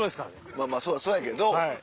まぁまぁそうやけど。